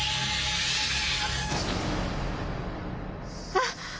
あっ！